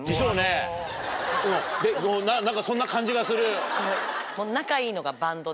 何かそんな感じがする。